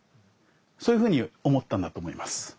そういうふうに思ったんだと思います。